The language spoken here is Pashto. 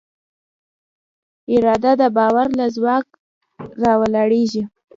اراده د باور له ځواک راولاړېږي.